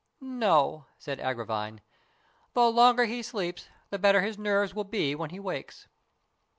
" No," said Agravine. " The longer he sleeps, the better his nerves will be when he wakes."